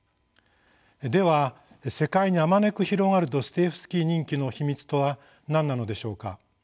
では世界にあまねく広がるドストエフスキー人気の秘密とは何なのでしょうか。